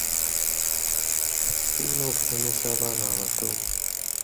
Tulina okusomesa abaana abato.